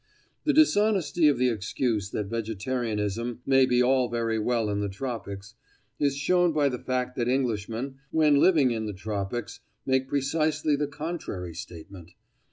The dishonesty of the excuse that vegetarianism "may be all very well in the tropics" is shown by the fact that Englishmen, when living in the tropics, make precisely the contrary statement.